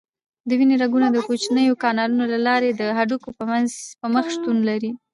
د وینې رګونه د کوچنیو کانالونو له لارې د هډوکو په مخ شتون لري.